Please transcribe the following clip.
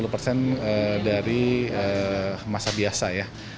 lima puluh persen dari masa biasa ya